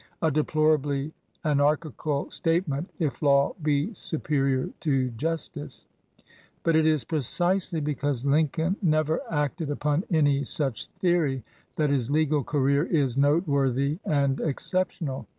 A deplorably anar chical statement if law be superior to justice. But it is precisely because Lincoln never acted upon any such theory that his legal career is noteworthy and exceptional.